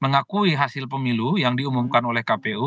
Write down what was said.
mengakui hasil pemilu yang diumumkan oleh kpu